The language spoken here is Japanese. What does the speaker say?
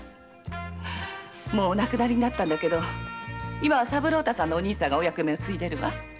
もうお亡くなりになったけど今は三郎太さんのお兄さんがお役目を継いでるわ。